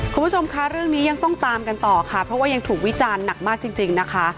คุณผู้ชมคะเรื่องนี้ยังต้องตามกันต่อค่ะเพราะว่ายังถูกวิจารณ์หนักมากจริงนะคะ